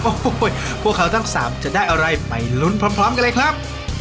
โอ้โหพวกเขาทั้งสามจะได้อะไรไปลุ้นพร้อมกันเลยครับ